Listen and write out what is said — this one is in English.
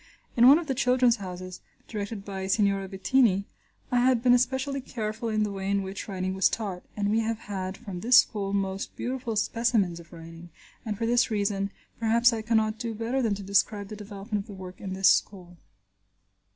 In one of the "Children's Houses," directed by Signorina Bettini, I had been especially careful in the way in which writing was taught, and we have had from this school most beautiful specimens of writing, and for this reason, perhaps I cannot do better than to describe the development of the work in this school.